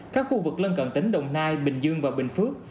các khu vực lân cận tỉnh đồng nai bình dương và bình phước